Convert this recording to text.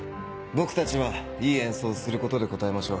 僕たちはいい演奏をすることで応えましょう。